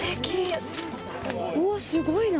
うわすごいな。